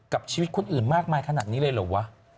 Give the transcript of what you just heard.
กับชีวิตคนอื่นมากมายขนาดนี้เลยเหรอวะ